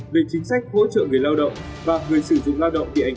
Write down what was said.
về chính sách hỗ trợ người lao động và người sử dụng lao động bị ảnh hưởng